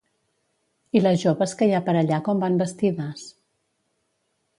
I les joves que hi ha per allà com van vestides?